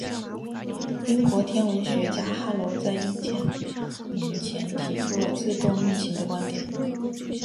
英国天文学家哈雷在一千年后提出自行运动的观点。